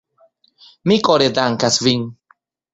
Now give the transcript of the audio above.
Mi kore dankas vin.